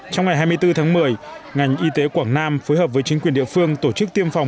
trong ngày hai mươi bốn tháng một mươi ngành y tế quảng nam phối hợp với chính quyền địa phương tổ chức tiêm phòng